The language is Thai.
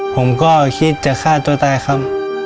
ผมก็คิดจะฆ่าตัวตายครับ